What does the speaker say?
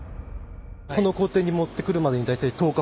この工程に持ってくるまでに大体１０日！？